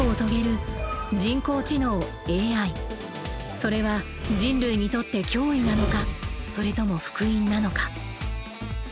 それは人類にとって脅威なのかそれとも福音なのか？